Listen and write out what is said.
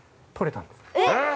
えっ！？